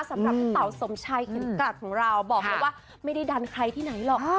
สำหรับพี่เต๋าสมชัยเข็มกลัดของเราบอกเลยว่าไม่ได้ดันใครที่ไหนหรอก